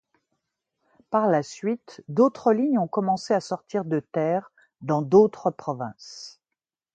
Par la suite, d'autres lignes ont commencé à sortir de terre dans d'autres provinces.